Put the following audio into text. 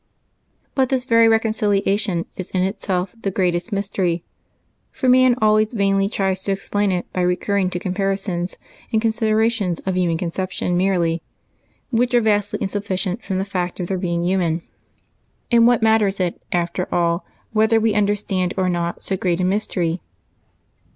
But this very reconciliation is in itself the greatest mystery; for man always vainly tries to explain it by re curring to comparisons and considerations of human con ception merely, which are vastly insufficient from the fact of their being human. And what matters it, after all, whether we understand or not so great a mystery